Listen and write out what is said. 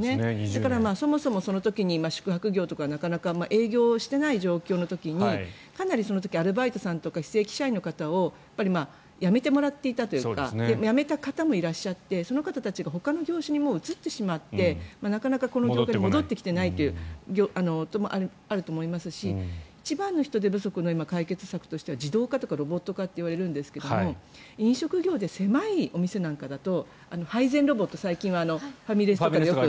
だから、そもそもその時に宿泊業とかなかなか営業してない状況の時にかなりアルバイトさんとか非正規社員の方に辞めてもらっていたというか辞めた方もいらっしゃってその方たちがほかの業種に移ってしまってなかなかこの業界に戻ってきていないこともあると思いますし一番の人手不足の解決策としては自動化とかロボット化といわれるんですが飲食業で狭いお店なんかだと配膳ロボット、最近ではファミレスとかでよく。